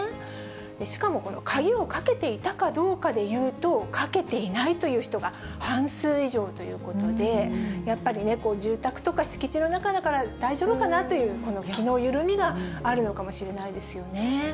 しかもこの鍵をかけていたかどうかでいうと、かけていないという人が半数以上ということで、やっぱりね、住宅とか、敷地の中だから大丈夫かなというこの気の緩みがあるのかもしれないですよね。